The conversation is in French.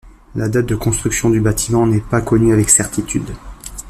La date de construction du bâtiment n'est pas connue avec certitude.